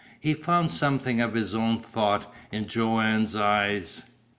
He found something of his own thought in Joanne's eyes.